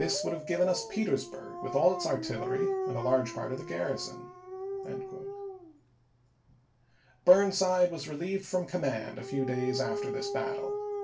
would have given us Petersburg with all its artillery Part l, and a large part of the garrison." Burnside was relieved from command a few days after this battle.